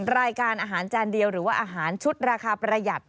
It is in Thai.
รายการอาหารจานเดียวหรือว่าอาหารชุดราคาประหยัด